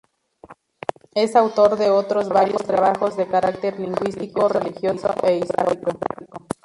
Es autor de otros varios trabajos de carácter lingüístico, religioso e historiográfico.